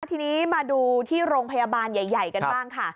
ทีนี้มาดูที่โรงพยาบาลใหญ่กันบ้างค่ะ